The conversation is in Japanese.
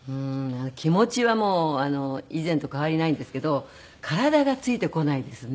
気持ちはもう以前と変わりないんですけど体がついてこないですね。